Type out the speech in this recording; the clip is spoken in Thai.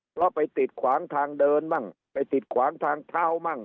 เพราะไปติดขวางทางเดินมั่งไปติดขวางทางเท้ามั่ง